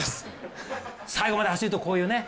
最後まで走ると、こういうね。